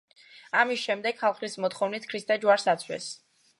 ამის შემდეგ, ხალხის მოთხოვნით, ქრისტე ჯვარს აცვეს.